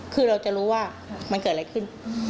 คือเราจะรู้ว่ามันเกิดอะไรขึ้น